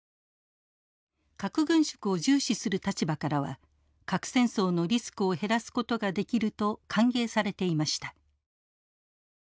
核軍縮を重視する立場からは核戦争のリスクを減らすことができると歓迎されていました。